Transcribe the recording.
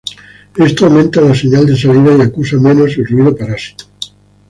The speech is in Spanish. Esto aumenta la señal de salida y acusa menos el ruido parásito.